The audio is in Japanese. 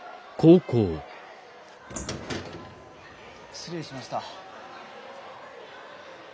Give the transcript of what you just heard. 失礼しました。